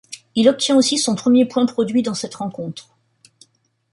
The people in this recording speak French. Il obtient aussi son premier point produit dans cette rencontre.